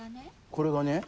これがね？